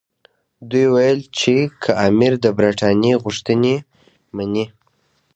دوی ویل چې که امیر د برټانیې غوښتنې مني.